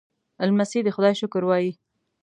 لمسی د خدای شکر وايي.